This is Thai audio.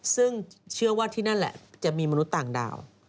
ซึ่งเชื่อว่าที่นั่นแหละจะมีมนุษย์ต่างดาว